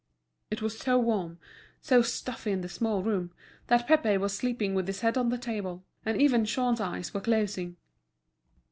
It was so warm, so stuffy in the small room, that Pépé was sleeping with his head on the table, and even Jean's eyes were closing.